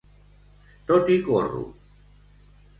Tot hi corro!